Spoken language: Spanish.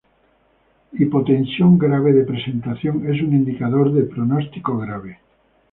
Hipotensión grave de presentación es un indicador de pronóstico grave.